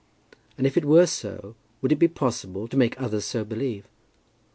And if it were so, would it be possible to make others so believe?